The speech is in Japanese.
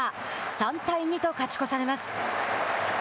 ３対２と勝ち越されます。